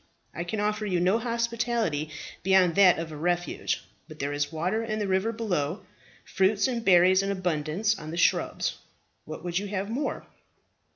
I can offer you no hospitality beyond that of a refuge; but there is water in the river below, fruits and berries in abundance on the shrubs. What would you have more?"